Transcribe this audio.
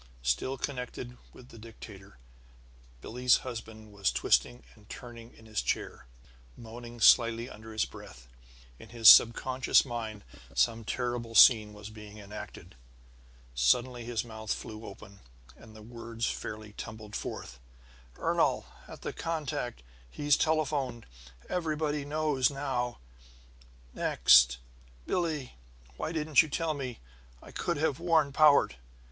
Still connected with the dictator, Billie's husband was twisting and turning in his chair, moaning slightly under his breath. In his subconscious mind some terrible scene was being enacted. Suddenly his mouth flew open, and the words fairly tumbled forth: "Ernol at the contact he's telephoned! Everybody knows now!" Next: "Billie: Why didn't you tell me? I could have warned Powart!"